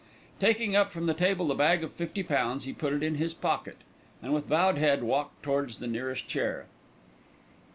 Taking up from the table the bag of fifty pounds, he put it in his pocket and with bowed head walked towards the nearest chair.